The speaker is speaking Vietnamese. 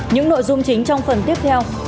những nội dung chính trong phần tiếp theo